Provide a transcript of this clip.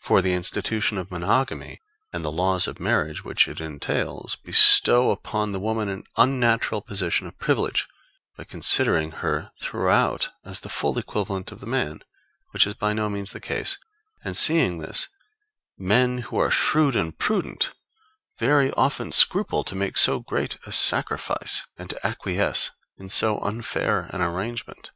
For the institution of monogamy, and the laws of marriage which it entails, bestow upon the woman an unnatural position of privilege, by considering her throughout as the full equivalent of the man, which is by no means the case; and seeing this, men who are shrewd and prudent very often scruple to make so great a sacrifice and to acquiesce in so unfair an arrangement.